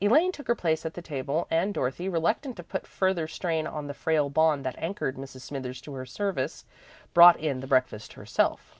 Elaine took her place at the table and Dorothy, reluctant to put further strain on the frail bond that anchored Mrs. Smithers to her service, brought in the breakfast herself.